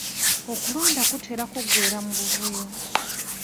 Okulonda kuteera kuggwera mu buvuyo.